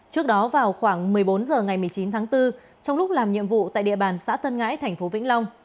trước đó vào khoảng một mươi bốn h ngày một mươi chín tháng bốn trong lúc làm nhiệm vụ tại địa bàn xã tân ngãi thành phố vĩnh long